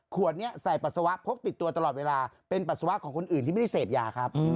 ขวดนี้ใส่ปัสสาวะพกติดตัวตลอดเวลาเป็นปัสสาวะของคนอื่นที่ไม่ได้เสพยาครับ